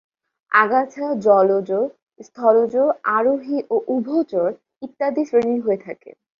আগাছা জলজ, স্থলজ, আরোহী ও উভচর ইত্যাদি শ্রেণির হয়ে থাকে।